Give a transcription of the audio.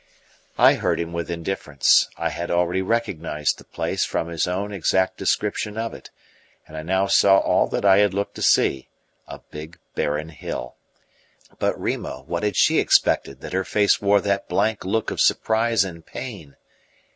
I heard him with indifference. I had already recognized the place from his own exact description of it, and I now saw all that I had looked to see a big, barren hill. But Rima, what had she expected that her face wore that blank look of surprise and pain?